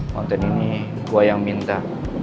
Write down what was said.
konten ini gue yang minta